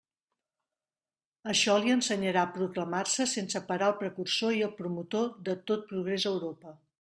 Això li ensenyarà a proclamar-se sense parar el precursor i el promotor de tot progrés a Europa.